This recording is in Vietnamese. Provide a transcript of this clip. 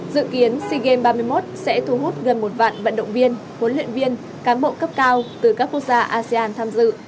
dự kiến sea games ba mươi một sẽ thu hút gần một vạn vận động viên huấn luyện viên cán bộ cấp cao từ các quốc gia asean tham dự